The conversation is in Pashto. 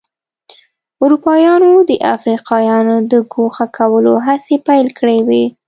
اروپایانو د افریقایانو د ګوښه کولو هڅې پیل کړې وې.